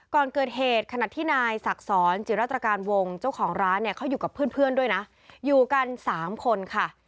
ก่อนเกิดเหตุขณะที่นายศักดิ์สรจิรัตรการวงเจ้าของร้านเนี่ยเขาอยู่กับเพื่อนด้วยนะอยู่กัน๓คนค่ะ